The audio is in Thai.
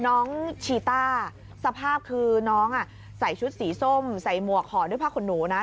น้องชีต้าสภาพคือน้องใส่ชุดสีส้มใส่หมวกห่อด้วยผ้าขนหนูนะ